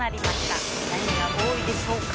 何が多いでしょうか。